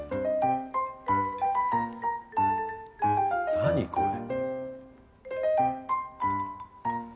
何これ？